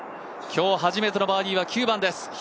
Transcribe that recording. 今日初めてのバーディーは９番です。